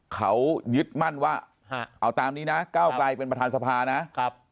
เขายึดมั่นว่าเอาตามนี้นะก้าวไกลเป็นประธานสภานะครับ